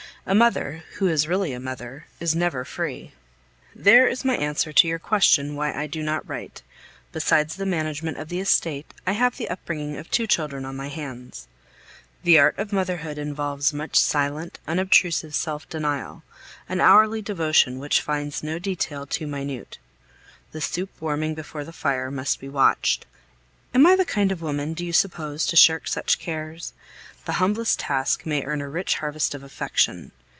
A mother, who is really a mother, is never free. There is my answer to your question why I do not write. Besides the management of the estate, I have the upbringing of two children on my hands. The art of motherhood involves much silent, unobtrusive self denial, an hourly devotion which finds no detail too minute. The soup warming before the fire must be watched. Am I the kind of woman, do you suppose, to shirk such cares? The humblest task may earn a rich harvest of affection.